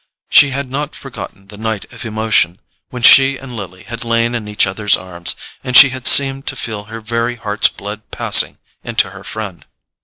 She had not forgotten the night of emotion when she and Lily had lain in each other's arms, and she had seemed to feel her very heart's blood passing into her friend.